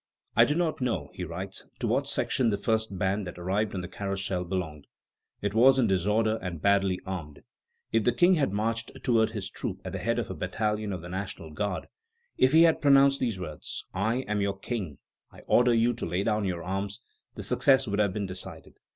"I do not know," he writes, "to what section the first band that arrived on the Carrousel belonged; it was in disorder and badly armed. If the King had marched towards this troop at the head of a battalion of the National Guard, if he had pronounced these words: 'I am your King; I order you to lay down your arms,' the success would have been decided.